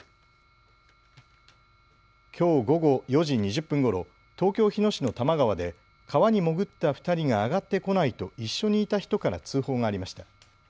きょう午後４時２０分ごろ東京日野市の多摩川で川に潜った２人があがってこないと一緒にいた人から通報がありました。